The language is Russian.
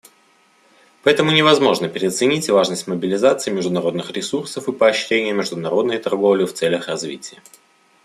Поэтому невозможно переоценить важность мобилизации международных ресурсов и поощрения международной торговли в целях развития.